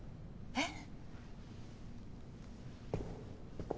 えっ？